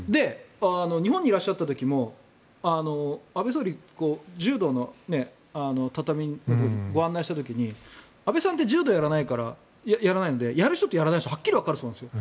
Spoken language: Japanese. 日本にいらっしゃった時も安倍総理が柔道の畳のところにご案内した時に安倍さんって柔道やらないのでやらないのでやる人とやらない人がはっきりわかるんですよ。